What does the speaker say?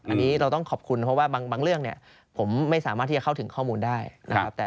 อันนี้เราต้องขอบคุณเพราะว่าบางเรื่องเนี่ยผมไม่สามารถที่จะเข้าถึงข้อมูลได้นะครับ